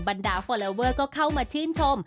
บรรดาฟอลลอเวอร์ก็เข้ามาชื่นชม